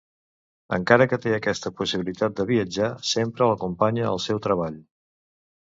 Encara que té aquesta possibilitat de viatjar, sempre l'acompanya el seu treball.